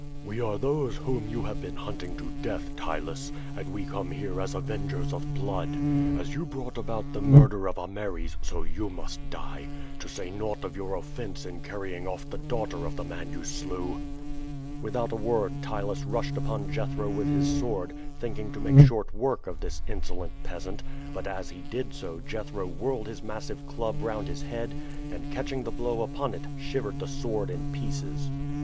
"We are those whom you have been hunting to death, Ptylus; and we come here as avengers of blood. As you brought about the murder of Ameres, so you must die to say naught of your offense in carrying off the daughter of the man you slew." Without a word Ptylus rushed upon Jethro with his sword, thinking to make short work of this insolent peasant; but as he did so, Jethro whirled his massive club round his head, and catching the blow upon it, shivered the sword in pieces.